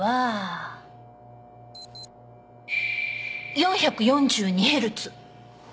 ４４２ヘルツ。